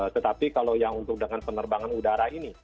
tetapi kalau yang untuk dengan penerbangan udara ini